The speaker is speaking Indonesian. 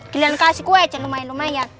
giliran kasih kue aja lumayan lumayan